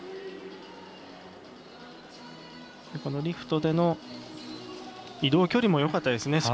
リフトでの移動距離もよかったですね。